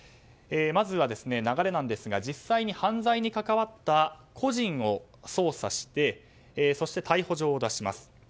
まずは流れですが実際に犯罪に関わった個人を捜査してそして逮捕状を出します。